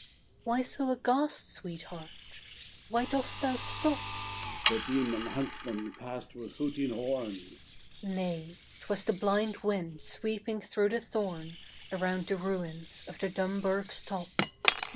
Why so aghast, sweetheart? Why dost thou stop? He The Demon Huntsman passed with hooting horn! She Nay! 'twas the blind wind sweeping through the thorn Around the ruins of the Dumburg's top.